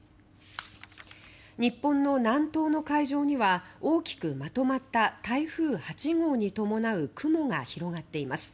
日本の南東の海上には大きくまとまった台風８号に伴う雲が広がっています。